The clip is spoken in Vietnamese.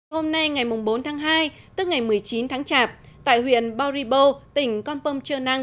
hôm nay ngày bốn tháng hai tức ngày một mươi chín tháng chạp tại huyện bauribo tỉnh con pông trường năng